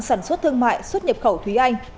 sản xuất thương mại xuất nhập khẩu thúy anh